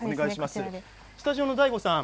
スタジオのＤＡＩＧＯさん